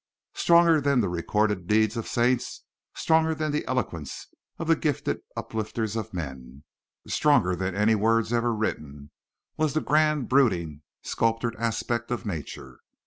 Stronger than the recorded deeds of saints, stronger than the eloquence of the gifted uplifters of men, stronger than any words ever written, was the grand, brooding, sculptured aspect of nature.